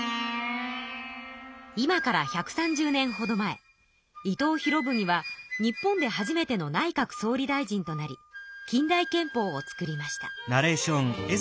今から１３０年ほど前伊藤博文は日本で初めての内閣総理大臣となり近代憲法を作りました。